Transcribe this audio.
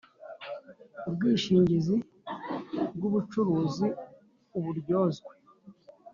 Ubwishingizi bw ubucuruzi uburyozwe